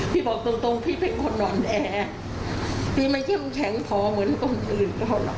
พี่บอกตรงตรงพี่เป็นคนหน่อนแอพี่ไม่เช่นแข็งพอเหมือนคนอื่น